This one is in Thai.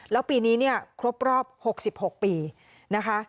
แล้วปีนี้เนี่ยครบรอบ๖๖ปีนะคะ